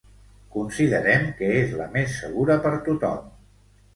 Considerem que és la més segura per tothom.